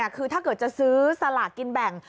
คือถ้าเกิดจะซื้อสลากกินแบ่ง